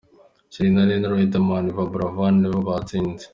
Charly na Nina, Riderman na Yvan Buravan nibo batsinze .